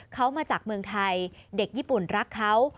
เขามาจากเมืองไทยเด็กญี่ปุ่นรักเขา